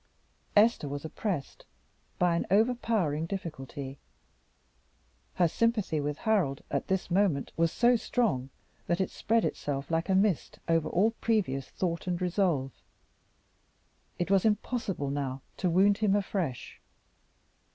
Esther was oppressed by an overpowering difficulty. Her sympathy with Harold at this moment was so strong, that it spread itself like a mist over all previous thought and resolve. It was impossible now to wound him afresh.